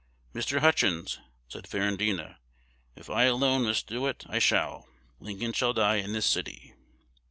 'Mr. Hutchins,' said Ferrandina, 'if I alone must do it, I shall: Lincoln shall die in this city.'